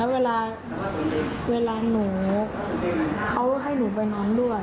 เวลาหนูเขาให้หนูไปนอนด้วย